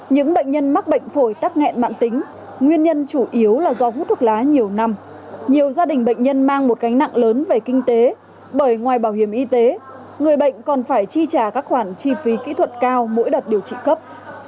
nhiều gia đình bệnh nhân mang một cánh nặng lớn về kinh tế bởi ngoài bảo hiểm y tế người bệnh còn phải chi trả các khoản chi phí kỹ thuật cao mỗi đợt điều trị cấp